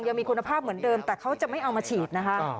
ยังมีคุณภาพเหมือนเดิมแต่เขาจะไม่เอามาฉีดนะคะ